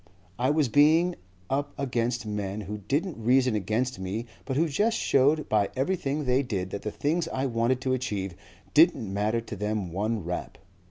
It was being up against men who didn't reason against me but who just showed by everything they did that the things I wanted to achieve didn't matter to them one rap.